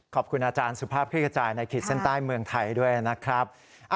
ขอบคุณอาจารย์สุภาพคลิกกระจายในขีดเส้นใต้เมืองไทยด้วยนะครับ